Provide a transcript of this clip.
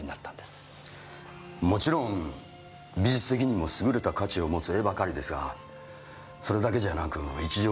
もちろん美術的にも優れた価値を持つ絵ばかりですがそれだけじゃなく